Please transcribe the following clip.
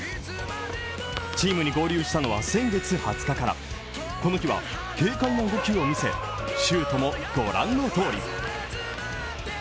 チームに合流したのは先月２０日からこの日は軽快な動きを見せ、シュートもご覧の通り。